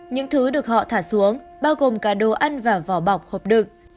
những thứ được họ thả xuống bao gồm cả đồ ăn và vỏ bọc hộp đựng